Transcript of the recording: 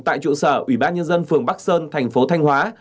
tại trụ sở ủy ban nhân dân phường bắc sơn thành phố thanh hóa